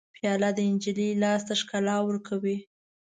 پیاله د نجلۍ لاس ته ښکلا ورکوي.